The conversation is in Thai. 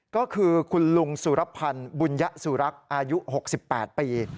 ก็คือคุณลุงสุรพันธ์บุญญสุรักษ์อายุ๖๘ปี